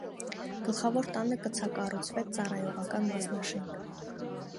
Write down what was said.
Գլխավոր տանը կցակառուցվեց ծառայողական մասնաշենք։